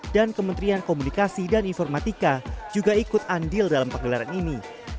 dan kementerian komunikasi dan informatika juga ikut andil dalam penggelaran ini